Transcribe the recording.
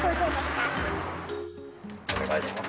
お願いします。